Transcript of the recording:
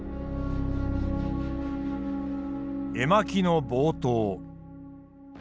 絵巻の冒頭。